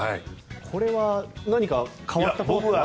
これは何か変わったこととか。